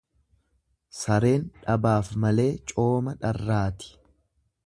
Sareen dhabaaf malee cooma dharraati.